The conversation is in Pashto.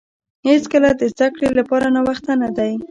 هیڅکله د زده کړې لپاره ناوخته نه دی.